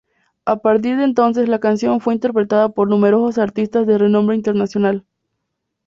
A partir de entonces, la canción fue interpretada por numerosos artistas de renombre internacional.